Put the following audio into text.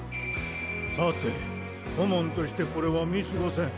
さて顧問としてこれは見過ごせん。